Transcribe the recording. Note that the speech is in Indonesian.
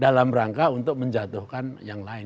dalam rangka untuk menjatuhkan yang lain